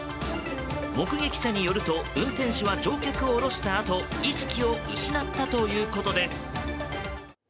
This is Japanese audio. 目撃者によると運転手は乗客を降ろしたあと意識を失ったということです。